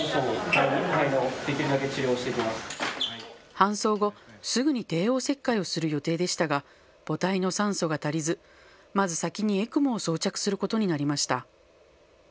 搬送後すぐに帝王切開をする予定でしたが母体の酸素が足りずまず先にＥＣＭＯを装着することになりました。